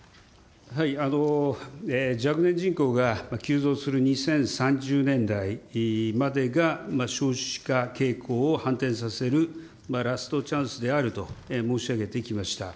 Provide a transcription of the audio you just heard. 若年人口が急増する２０３０年代までが少子化傾向を反転させるラストチャンスであると申し上げてきました。